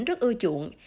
rất ưu chí